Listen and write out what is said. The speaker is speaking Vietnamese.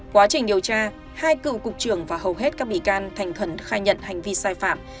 quá trình điều tra hai cựu cục trưởng và hầu hết các bị can thành khai nhận hành vi sai phạm